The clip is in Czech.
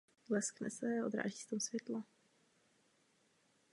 Na Ukrajině její singl obsadil nejvyšší pozici poprvé.